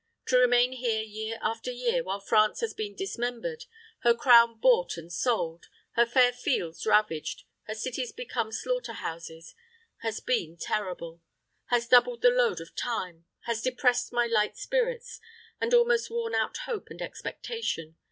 To remain here year after year, while France has been dismembered, her crown bought and sold, her fair fields ravaged, her cities become slaughter houses, has been terrible has doubled the load of time, has depressed my light spirits, and almost worn out hope and expectation.